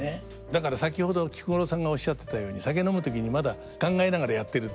だから先ほど菊五郎さんがおっしゃってたように「酒飲む時にまだ考えながらやってる」。